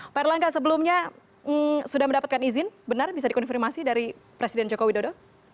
pak erlangga sebelumnya sudah mendapatkan izin benar bisa dikonfirmasi dari presiden joko widodo